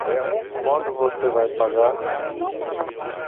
Quando você vai pagar?